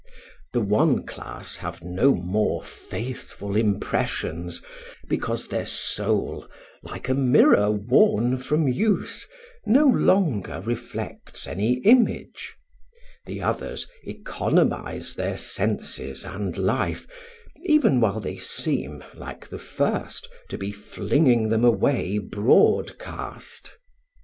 The one class have no more faithful impressions, because their soul, like a mirror, worn from use, no longer reflects any image; the others economize their senses and life, even while they seem, like the first, to be flinging them away broadcast.